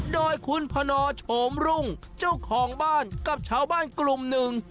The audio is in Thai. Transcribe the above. โดยคุณพนโฉมรุ่งเจ้าของบ้านกับชาวบ้านกลุ่มหนึ่ง